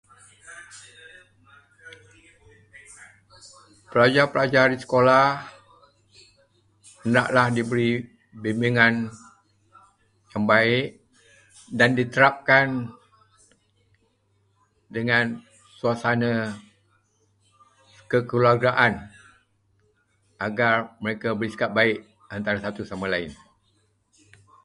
Pelajar-pelajar di sekolah hendaklah diberi bimbingan yang baik dan diterapkan dengan suasana kekeluargaan agar mereka bersikap baik antara satu sama lain.